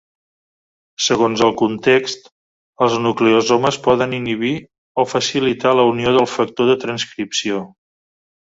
Segons el context, els nucleosomes poden inhibir o facilitar la unió del factor de transcripció.